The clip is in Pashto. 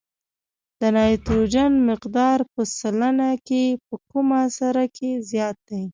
د نایتروجن مقدار په سلنه کې په کومه سره کې زیات دی؟